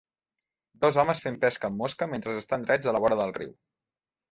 Dos homes fent pesca amb mosca mentre estan drets a la vora del riu.